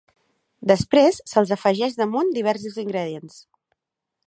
Després se'ls afegeix damunt diversos ingredients.